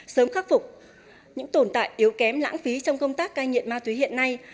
sớm khắc phục những tồn tại yếu kém lãng phí trong công tác cai nghiện ma túy hiện nay